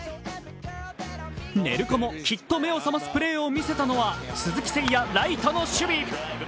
寝る子もきっと目を覚ますプレーを見せたのは鈴木誠也、ライトの守備。